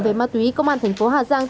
về ma túy công an thành phố hà giang